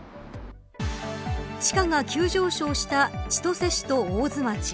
地価が急上昇した千歳市と大津町。